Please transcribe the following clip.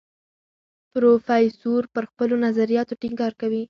پروفیسور پر خپلو نظریاتو ټینګار کوي.